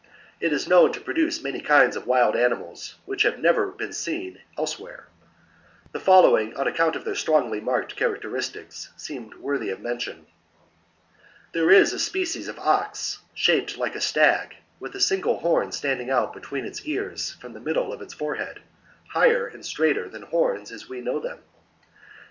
It is known to produce many kinds of wild animals which have never been seen elsewhere. The following, on account of their strongly marked characteristics, seem worthy of mention. 26. J There is a species of ox, shaped like a stag, with a single horn standing out between its ears from the middle of its forehead, higher and straighter than horns as we know them.